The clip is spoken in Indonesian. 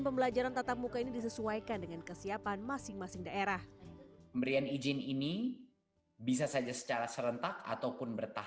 pembelajaran tetap muka antara lain resiko penyelidikan covid sembilan belas layannya